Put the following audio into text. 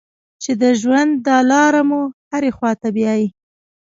چې د ژوند دا لاره مو هرې خوا ته بیايي.